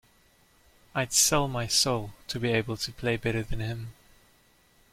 I’d sell my soul to be able to play better than him.